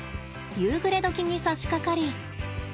夕暮れ時にさしかかり。